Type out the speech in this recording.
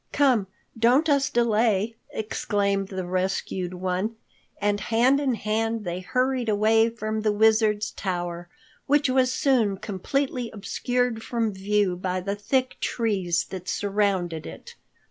"Come, don't let us delay," exclaimed the rescued one, and hand in hand they hurried away from the Wizard's tower, which was soon completely obscured from view by the thick trees that surrounded it.